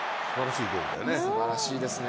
すばらしいですね。